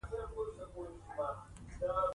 هغه وویل: په لایریکو کي يې یو ځل بیا امتحانوم.